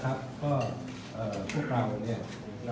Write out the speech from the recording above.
ข้องกับอุจสะท้ายทีเฉย